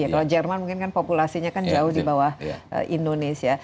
kalau jerman mungkin kan populasinya kan jauh di bawah indonesia